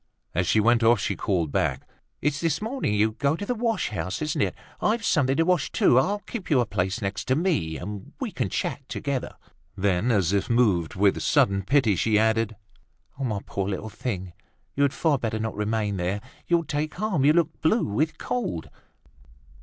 As she went off, she called back: "It's this morning you go to the wash house, isn't it? I've something to wash, too. I'll keep you a place next to me, and we can chat together." Then, as if moved with sudden pity, she added: "My poor little thing, you had far better not remain there; you'll take harm. You look quite blue with cold."